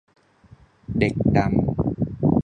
เด็กดำ